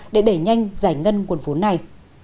để đẩy nhanh giải ngân nguồn vốn này